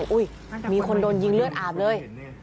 มีคนโดนยิงเลือดอาบเลย